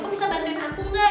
kau bisa bantuin aku gak